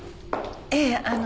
ええあの。